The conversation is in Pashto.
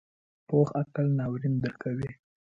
پوخ عقل ناورین درکوي